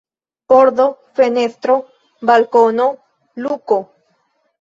Pordo, fenestro, balkono, luko.